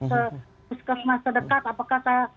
ke puskesmas terdekat apakah